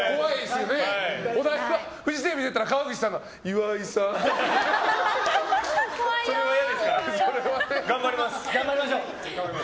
フジテレビ出たら川口さんがそれは嫌ですから頑張ります。